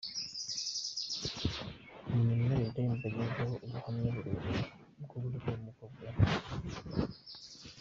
Munyemerere mbagezeho ubuhanywa burebure bw’uburyo umukobwa yamfashe ku ngufu